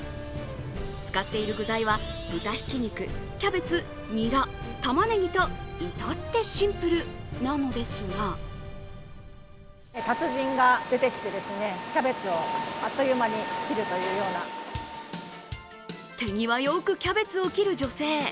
使っている具材は、豚ひき肉、キャベツ、ニラ、玉ねぎと至ってシンプルなのですが手際よくキャベツを切る女性。